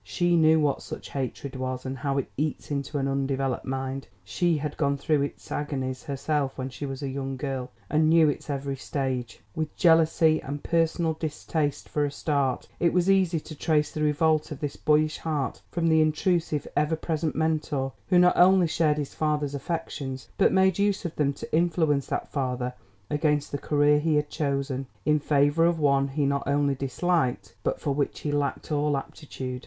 She knew what such hatred was and how it eats into an undeveloped mind. She had gone through its agonies herself when she was a young girl, and knew its every stage. With jealousy and personal distaste for a start, it was easy to trace the revolt of this boyish heart from the intrusive, ever present mentor who not only shared his father's affections but made use of them to influence that father against the career he had chosen, in favour of one he not only disliked but for which he lacked all aptitude.